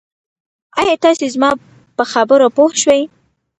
آیا تاسي زما په خبرو پوه شوي